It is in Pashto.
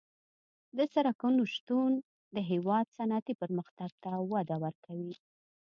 د سرکونو شتون د هېواد صنعتي پرمختګ ته وده ورکوي